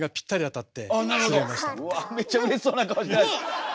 めっちゃうれしそうな顔してはる。